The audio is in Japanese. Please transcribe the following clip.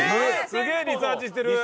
すげえリサーチしてる。